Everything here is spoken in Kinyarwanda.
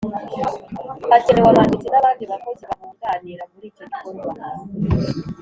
Hakenewe abanditsi n’abandi bakozi babunganira muri icyo gikorwa